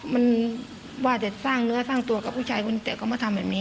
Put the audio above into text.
มันว่าแต่สร้างเนื้อสร้างตัวกับผู้ชายเกินเตะก็มาทำแบบนี้